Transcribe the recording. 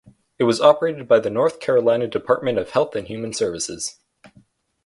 It was operated by the North Carolina Department of Health and Human Services.